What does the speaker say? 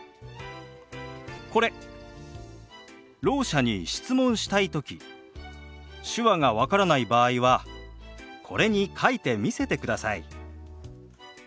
ろう者に質問したい時手話が分からない場合はこれに書いて見せてください。